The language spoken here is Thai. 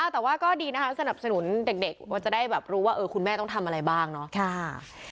แต่ว่าก็ดีนะคะสนับสนุนเด็กว่าจะได้แบบรู้ว่าคุณแม่ต้องทำอะไรบ้างเนาะ